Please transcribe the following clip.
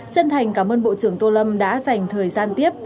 chân thành cảm ơn bộ trưởng tô lâm đã dành thời gian tiếp